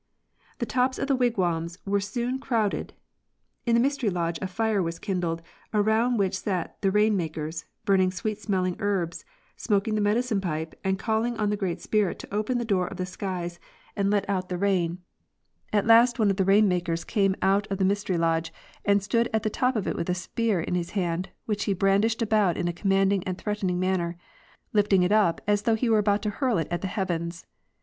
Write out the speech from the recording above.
The tops of the wigwams were soon crow ded. In the mystery lodge a fire was kindled, around which sat the rain makers, burning sweet smelling herbs, smoking the medicine pipe and calling on the Great Spirit to open the door of the skies to let out the * "Qmaha Sociology,'' op. cit., 1884, p. 227. B80hs M. W. Harrington— Weather making. rain. At last one of the rain makers came out of the mystery lodge and stood on the top of it with a spear in his hand, which he brandished about in a commanding and threatening manner, lifting it up as though he were about to hurl it at the heavens.